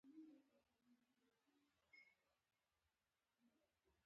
مرسته ښه ده.